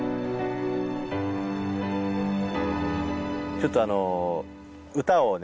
ちょっとあの歌をね